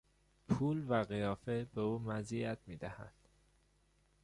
پول و قیافه به او مزیت میدهد.